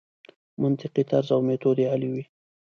منطقي طرز او میتود یې عالي وي.